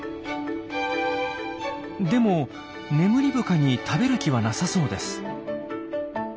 でもネムリブカに食べる気はなさそうです。